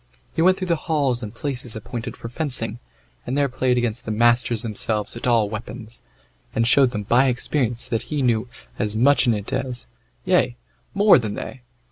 He went through the halls and places appointed for fencing, and there played against the masters themselves at all weapons, and showed them by experience that he knew as much in it as, yea, more than, they.